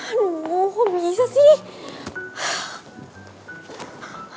aduh kok bisa sih